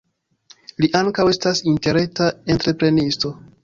Li ankaŭ estas interreta entreprenisto.